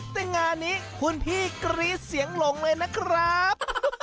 แต่งานนี้คุณพี่กรี๊ดเสียงหลงเลยนะครับ